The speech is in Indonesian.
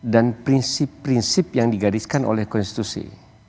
dan prinsip prinsip yang digariskan oleh konstitusi